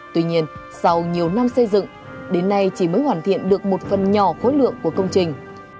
tuy nhiên sau nhiều năm xây dựng đến nay chỉ mới hoàn thiện được một phần nhỏ khối lượng của công trình